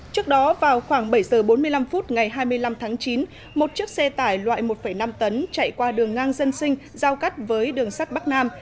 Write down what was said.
trước đó vào khoảng bảy giờ bốn mươi năm phút ngày hai mươi năm tháng chín một chiếc xe tải loại một năm tấn chạy qua đường ngang dân sinh giao cắt với đường sắt bắc nam